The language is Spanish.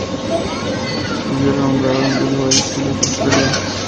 El estudio fue renombrado a Midway Studios-Australia.